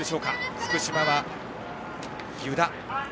福島は湯田。